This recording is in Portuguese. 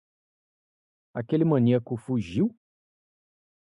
Aquele maníaco fugiu?